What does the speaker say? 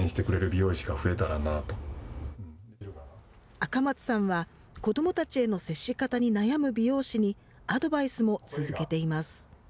赤松さんは、子どもたちへの接し方に悩む美容師に、アドバイスも続けています。